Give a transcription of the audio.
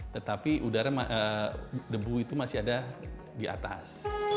tetapi udara debu itu masih ada di atas